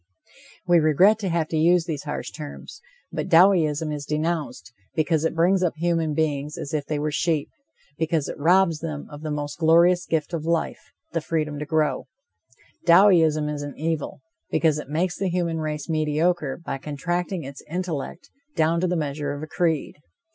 We regret to have to use these harsh terms. But Dowieism is denounced, because it brings up human beings as if they were sheep, because it robs them of the most glorious gift of life, the freedom to grow, Dowieism is an evil, because it makes the human race mediocre by contracting its intellect down to the measure of a creed.